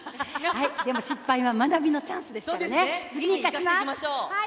でも、失敗は学びのチャンスですからね、次に生かします。